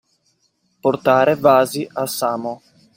Portare vasi a Samo.